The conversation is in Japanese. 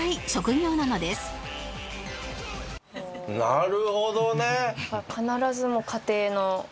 なるほどね。